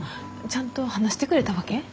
ちゃんと話してくれたわけ？